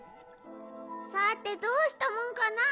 さてどうしたもんかな。